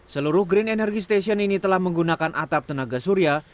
seluruh green energy station ini telah menggunakan atap tenaga surya